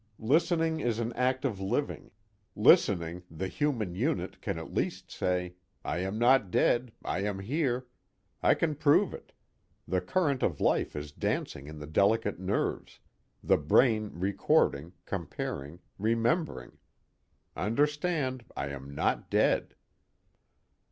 Listening is an act of living. Listening, the human unit can at least say: I am not dead, I am here, I can prove it, the current of life is dancing in the delicate nerves, the brain recording, comparing, remembering understand, I am not dead!